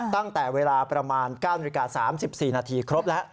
ตั้งแต่เวลาประมาณ๙นาฬิกา๓๔นาทีครบแล้ว